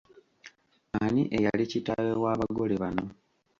Ani eyali Kitaawe w’Abagole bano?